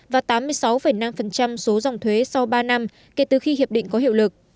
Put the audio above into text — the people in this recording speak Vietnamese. và tám mươi sáu năm số dòng thuế sau ba năm kể từ khi hiệp định có hiệu lực